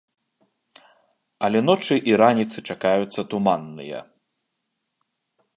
Але ночы і раніцы чакаюцца туманныя.